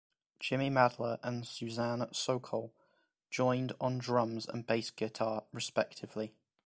Jimmy Madla and Suzanne Sokol joined on drums and bass guitar respectively.